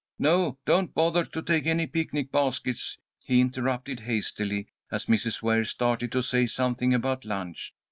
No, don't bother to take any picnic baskets," he interrupted, hastily, as Mrs. Ware started to say something about lunch.